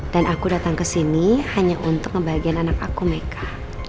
dan aku datang kesini hanya untuk ngebahagiain anak aku meka